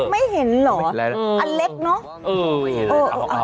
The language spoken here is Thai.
ไม่เห็นเหรออันเล็กเนอะ